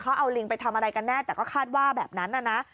เขาเอาลิงไปทำอะไรกันแน่แต่ก็คาดว่าแบบนั้นน่ะนะ